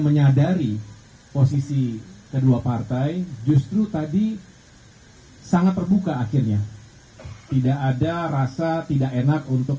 menyadari posisi kedua partai justru tadi sangat terbuka akhirnya tidak ada rasa tidak enak untuk